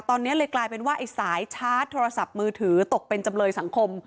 ตอนนี้เลยกลายเป็นว่าไอ้สายชาร์จโทรศัพท์มือถือตกเป็นจำเลยสังคม